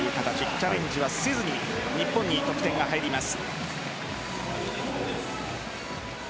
チャレンジはせずに日本に得点が入ります。